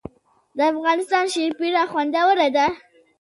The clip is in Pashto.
د افغانستان شیرپیره خوندوره ده